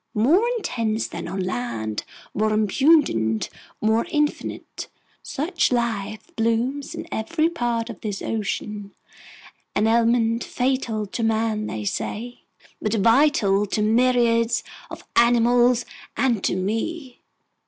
More intense than on land, more abundant, more infinite, such life blooms in every part of this ocean, an element fatal to man, they say, but vital to myriads of animals—and to me!"